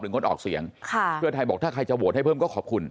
งดออกเสียงค่ะเพื่อไทยบอกถ้าใครจะโหวตให้เพิ่มก็ขอบคุณ